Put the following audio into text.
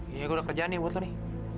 iya gue udah kerjaan nih buat lo nih